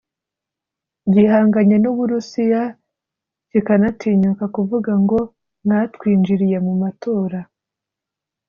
gihanganye n’u Burusiya kikanatinyuka kuvuga ngo mwatwinjiriye mu matora